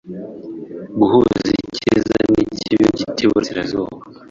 guhuza icyiza n'ikibi ku giti cy'iburasirazuba